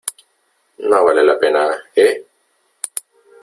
no vale la pena ,¿ eh ?